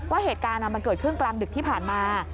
ว่าเหตุการณ์มันเกิดขึ้นกลางดึกที่ผ่านมา